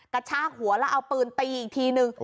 กระชากหัวแล้วเอาปืนตีอีกทีนึง